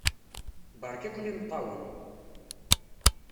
Beṛka-ken imeṭṭawen!